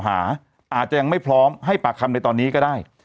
อาจจะยังไม่พร้อมให้ปากคำในตอนนี้ก็ได้